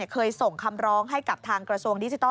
เคยส่งคำร้องให้กับทางกระทรวงดิจิทัล